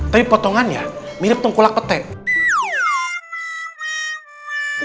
tapi potongannya mirip tungkulak petai